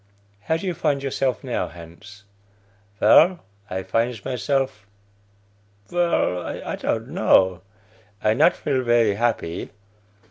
(How do you find yourself now, Hans?) Vell, I finds myself vell, I don't know; I not feel very happy.